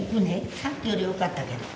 さっきよりよかったけど。